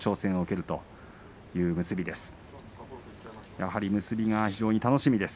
やはり結びが非常に楽しみです。